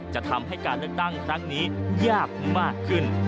จะทำให้การเลือกตั้งครั้งนี้ยากมากขึ้น